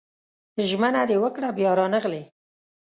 ژمنه دې وکړه بيا رانغلې